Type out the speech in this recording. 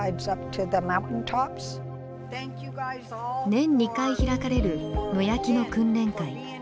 年２回開かれる野焼きの訓練会。